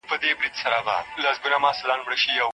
کمپيوټر کڅوړه لري.